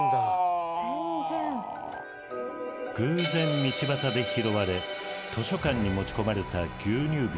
偶然道端で拾われ図書館に持ち込まれた牛乳瓶。